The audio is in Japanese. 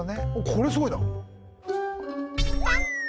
これすごいな。